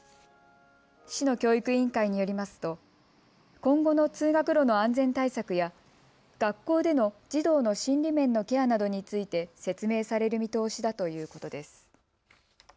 市の教育委員会によりますと今後の通学路の安全対策や学校での児童の心理面のケアなどについて説明される見通しだということです。